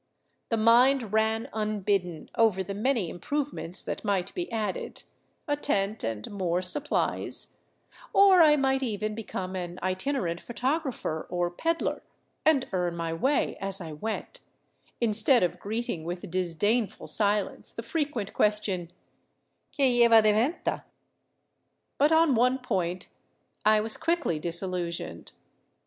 The mind ran unbidden over the mam improvements that might be added, — a tent and more supplies; or might even become an itinerant photographer or peddler, and earn m] way as I went, instead of greeting with disdainful silence the frequent question, " Que lleva de venta? " But on one point I was quickly dis 344 OVERLAND TOWARD CUZCO illusioned.